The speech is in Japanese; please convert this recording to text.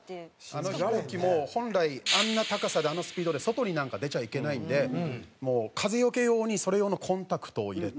あの飛行機も本来あんな高さであのスピードで外になんか出ちゃいけないんでもう風よけ用にそれ用のコンタクトを入れて。